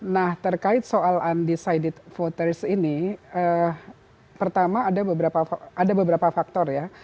nah terkait soal undecided voters ini pertama ada beberapa faktor ya